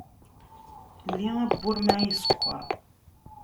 Lli awwur, ma isekkeṛ!